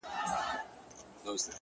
ه په سندرو کي دي مينه را ښودلې،